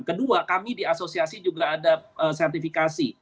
kedua kami di asosiasi juga ada sertifikasi